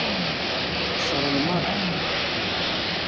Qeṣṣṛen meṛṛa.